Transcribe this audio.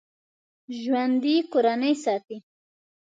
ژوندي کورنۍ ساتي